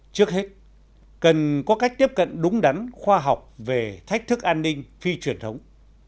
trước hết cần có cách tiếp cận đúng đắn khoa học về thách thức an ninh phi truyền thống